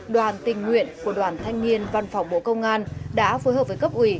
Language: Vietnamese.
đoàn tình nguyện của đoàn thanh niên văn phòng bộ công an đã phối hợp với cấp ủy